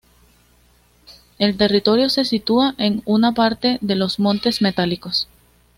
El territorio se sitúa en una parte de los Montes Metálicos.